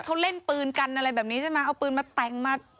เขาเล่นปืนกันอะไรแบบนี้ใช่ไหมเอาปืนมาแต่งมา